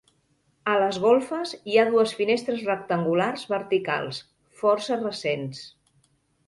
A les golfes, hi ha dues finestres rectangulars verticals, força recents.